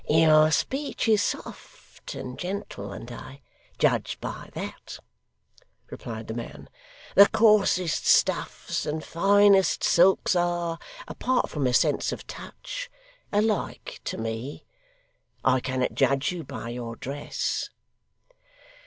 'Your speech is soft and gentle, and I judge by that,' replied the man. 'The coarsest stuffs and finest silks, are apart from the sense of touch alike to me. I cannot judge you by your dress.